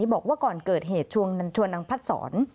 บอกว่าก่อนเกิดเหตุชวนนางพัดสอน